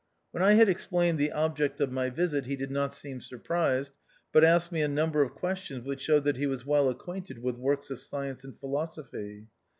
When I had explained the object of my visit, he did not seem sur prised, but asked me a number of questions which showed that he was well acquainted with works of science and philosophy.